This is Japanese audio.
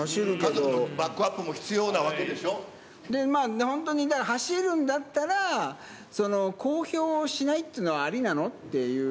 家族のバックアップも必要なで、まあ、本当にね、走るんだったら、公表しないっていうのは、ありなの？っていう。